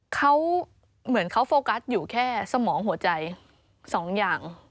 เขาเหมือนเขาโฟกัสอยู่แค่สมองหัวใจสองอย่าง